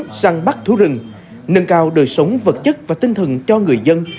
dùng súng săn bắt thú rừng nâng cao đời sống vật chất và tinh thần cho người dân